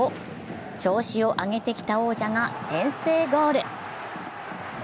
調子を上げてきた王者が先制ゴール。